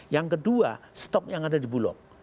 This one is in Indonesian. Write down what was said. yang kedua stok yang ada di bulog